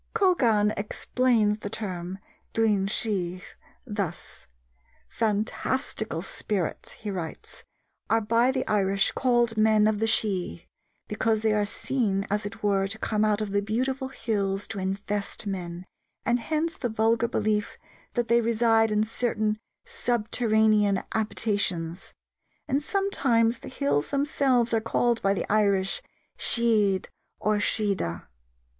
Colgan explains the term Duine Sidh thus: "Fantastical spirits," he writes, "are by the Irish called men of the Sidh, because they are seen, as it were, to come out of the beautiful hills to infest men, and hence the vulgar belief that they reside in certain subterranean habitations: and sometimes the hills themselves are called, by the Irish, Sidhe or Siodha."